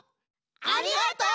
ありがとう！